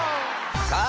さあ